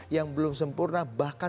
yang belum sempurna bahkan